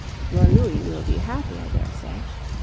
Your Louis will be happy, I daresay.